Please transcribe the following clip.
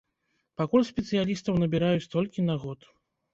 Пакуль спецыялістаў набіраюць толькі на год.